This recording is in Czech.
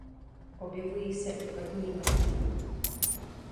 Objevují se i první mrtví.